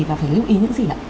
và phải lưu ý những gì ạ